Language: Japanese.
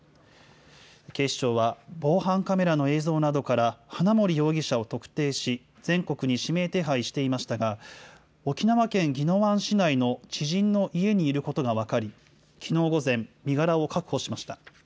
警視庁は、防犯カメラの映像などから花森容疑者を特定し、全国に指名手配していましたが、沖縄県宜野湾市内の知人の家にいることが分かり、きのう午前、身柄を確保しました。